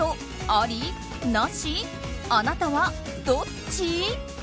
あなたはどっち？